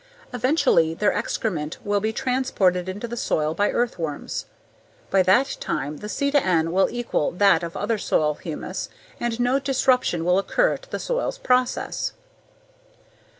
Eventually their excrement will be transported into the soil by earthworms. By that time the C/N will equal that of other soil humus and no disruption will occur to the soil's process.